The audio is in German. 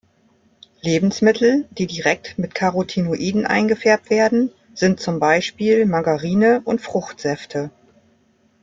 Lebensmittel, die direkt mit Carotinoiden eingefärbt werden, sind zum Beispiel Margarine und Fruchtsäfte.